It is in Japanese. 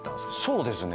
そうですね。